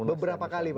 beberapa kali pak ya